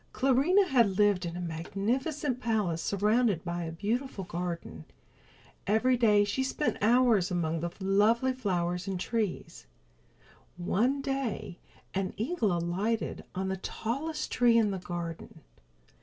Clarinha lived in a magnificent palace surrounded by a beautiful garden. Every day she spent many hours among the lovely flowers and trees. One day an eagle alighted on the tallest tree in the garden.